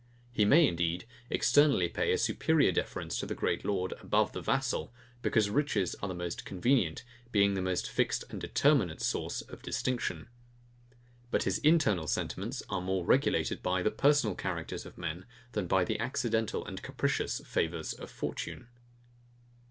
He may, indeed, externally pay a superior deference to the great lord above the vassal; because riches are the most convenient, being the most fixed and determinate, source of distinction. But his internal sentiments are more regulated by the personal characters of men, than by the accidental and capricious favours of fortune.